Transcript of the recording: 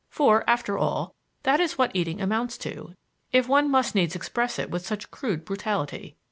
For, after all, that is what eating amounts to, if one must needs express it with such crude brutality.